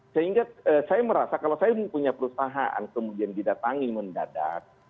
sehingga saya merasa kalau saya punya perusahaan kemudian didatangi mendadak